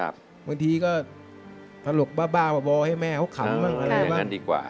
บางทีก็ถลกบ้าบ่อให้แม่เขาขำ